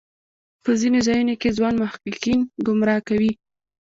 په ځینو ځایونو کې ځوان محققین ګمراه کوي.